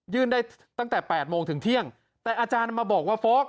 ยื่นได้ตั้งแต่แปดโมงถึงเที่ยงแต่อาจารย์มาบอกว่าโฟล์ก